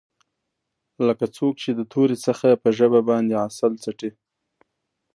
لکه څوک چې د تورې څخه په ژبه باندې عسل څټي.